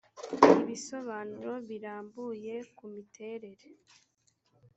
ibisobanuro birambuye ku miterere